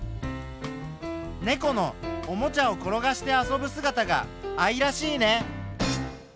ネコのおもちゃを転がして遊ぶすがたが愛らしいね。